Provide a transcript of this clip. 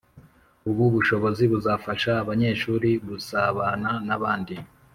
ubu bushobozi buzafasha abanyeshuri gusabana n’abandi